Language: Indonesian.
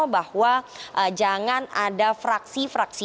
bahwa jangan ada fraksi fraksi